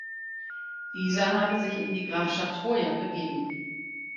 Dieser habe sich in die Grafschaft Hoya begeben.